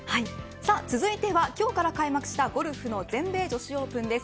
続いては、今日から開幕したゴルフの全米女子オープンです。